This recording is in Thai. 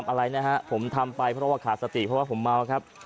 ไม่ได้จะโดนลามอะไรนะครับผมทำไปเพราะว่าขาดสติเพราะว่าผมเมาครับ